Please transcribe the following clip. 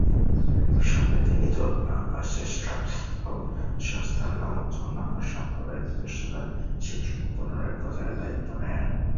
এই সময়ে তিনি দোল-পো-পা-শেস-রাব-র্গ্যাল-ম্ত্শান নামক জো-নম্বর ধর্মসম্প্রদায়ের প্রতিষ্ঠাতার শিক্ষাকে পুনরায় প্রচারের দায়িত্ব নেন।